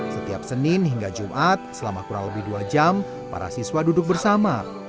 setiap senin hingga jumat selama kurang lebih dua jam para siswa duduk bersama